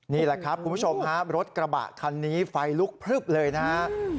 นี่แหละครับคุณผู้ชมรถกระบะฟลายลุกพลึบเลยนะครับ